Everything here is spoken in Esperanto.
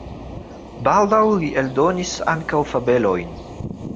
Baldaŭ li eldonis ankaŭ fabelojn.